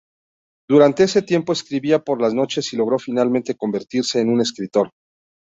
Durante ese tiempo escribía por las noches y logró finalmente convertirse en un escritor.